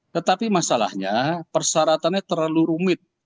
tetapi masalahnya persyaratannya terlalu rumit